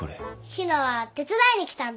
陽菜は手伝いに来たんだ。